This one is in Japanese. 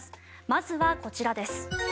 まずはこちらです。